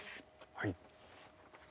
はい。